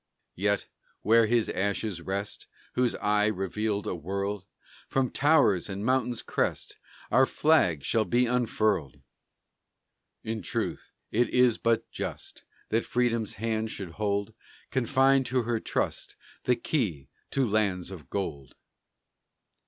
Yet, where his ashes rest, Whose eye revealed a world, From towers and mountain crest, Our flag shall be unfurled! In truth, it is but just, That Freedom's hand should hold, Confided to her trust, The key to lands of gold!